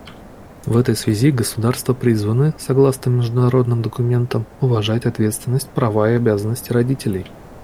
В этой связи государства призваны, согласно международным документам, уважать ответственность, права и обязанности родителей.